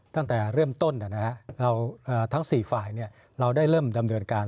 ตั้งแต่เริ่มต้นทั้ง๔ฝ่ายเราได้เริ่มดำเนินการ